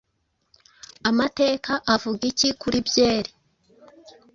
Amateka avuga iki kuri byeri?